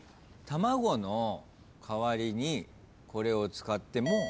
卵の代わりにこれを使っても。